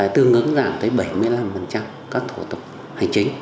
tương ứng giảm tới bảy mươi năm các thủ tục hành chính